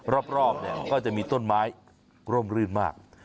รอบเนี่ยก็จะมีต้นไม้ร่มรื่นมาก